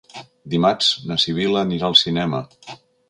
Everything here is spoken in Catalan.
Dimarts na Sibil·la anirà al cinema.